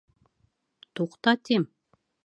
Туҡта, тим!..